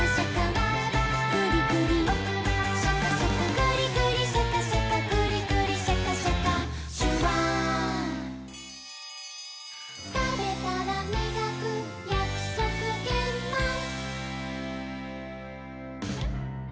「グリグリシャカシャカグリグリシャカシャカ」「シュワー」「たべたらみがくやくそくげんまん」